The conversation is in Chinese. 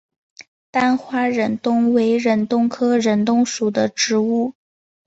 单花忍冬为忍冬科忍冬属的植物。